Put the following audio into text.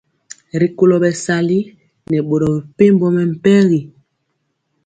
Rikolo bɛsali nɛ boro mepempɔ mɛmpegi.